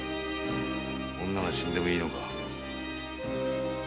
女が死んでもいいのか？